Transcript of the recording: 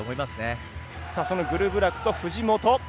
そのグルブラクと藤本。